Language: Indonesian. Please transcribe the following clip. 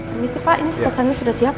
ini sih pak ini pesannya sudah siap